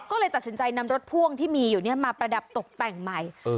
ก็เลยตัดสินใจนำรถพ่วงที่มีอยู่มาประดับตกแต่งใหม่